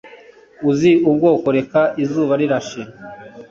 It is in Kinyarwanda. Uzi ubwoko Reka izuba rirashe